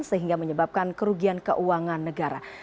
sehingga menyebabkan kerugian keuangan negara